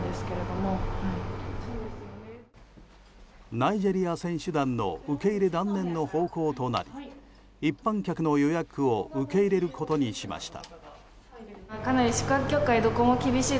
ナイジェリア選手団の受け入れ断念の方向となり一般客の予約を受け入れることにしました。